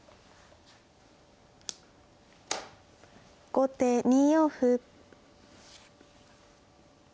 後手２四歩。